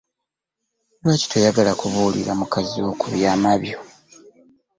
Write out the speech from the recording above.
Lwaki toyagala kubuulira mukazi wo ku byama byo?